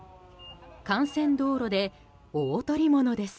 幹線道路で大捕物です。